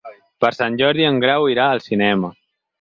Per Sant Jordi en Grau irà al cinema.